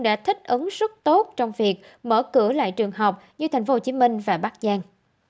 đã thích ứng rất tốt trong việc mở cửa lại trường học như tp hcm và bắc giang